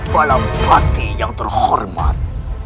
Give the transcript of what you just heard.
balam pati yang terhormat